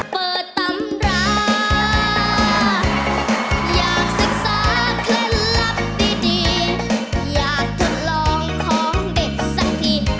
เปิดตำราอยากศึกษาเคล็ดลับดีอยากทดลองของเด็ดสักที